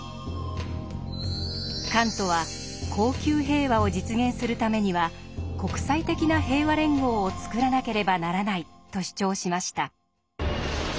カントは恒久平和を実現するためには国際的な平和連合をつくらなければならないと主張しました。